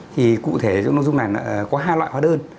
thì cụ thể trong nông dung này có hai loại hóa đơn